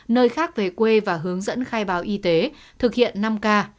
nơi khác về quê và hướng dẫn khai báo y tế thực hiện năm k